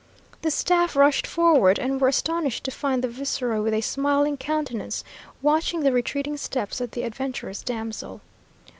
The staff rushed forward, and were astonished to find the viceroy with a smiling countenance, watching the retreating steps of the adventurous damsel.